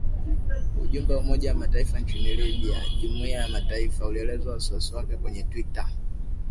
Ujumbe wa Umoja wa Mataifa nchini Libya (Jumuiya ya mataifa) ulielezea wasiwasi wake kwenye twitter.